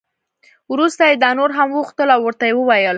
وروسته یې دا نور هم وغوښتل او ورته یې وویل.